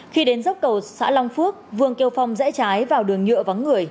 khi đến dốc cầu xã long phước vương kêu phong rẽ trái vào đường nhựa vắng người